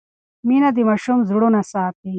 مینه د ماشوم زړونه ساتي.